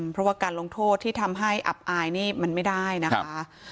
เพราะว่าการลงโทษที่ทำให้อับอายนี่มันไม่ได้นะคะ